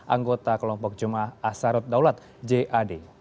anggota kelompok jemaah asarut daulat jad